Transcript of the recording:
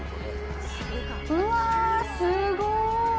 うわぁ、すごい！